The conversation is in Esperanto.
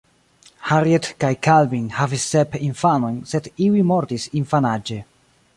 Harriet kaj Calvin havis sep infanojn, sed iuj mortis infanaĝe.